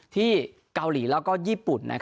ที่เกาหลีแล้วก็ญี่ปุ่น